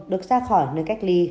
được ra khỏi nơi cách ly